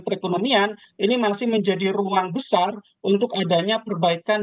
perekonomian ini masih menjadi ruang besar untuk adanya perbaikan